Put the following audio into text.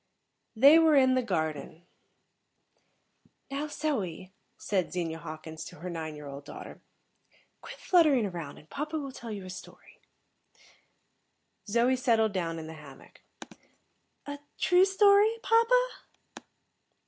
_ They were in the garden. "Now, Zoe," said Zenia Hawkins to her nine year old daughter, "quit fluttering around, and papa will tell you a story." Zoe settled down in the hammock. "A true story, papa?"